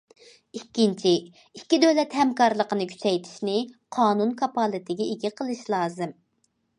ئىككىنچى، ئىككى دۆلەت ھەمكارلىقىنى كۈچەيتىشنى قانۇن كاپالىتىگە ئىگە قىلىش لازىم.